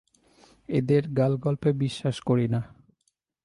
এদের গালগল্পে বিশ্বাস করি না।